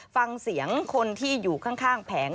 แล้วเค้าก็ยืนอยู่ทางแผงแล้ว